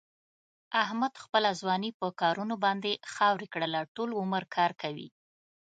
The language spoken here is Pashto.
احمد خپله ځواني په کارونو باندې خاورې کړله. ټول عمر کار کوي.